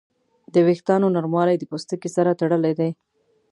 د وېښتیانو نرموالی د پوستکي سره تړلی دی.